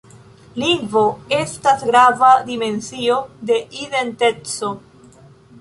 Lingvo estas grava dimensio de identeco.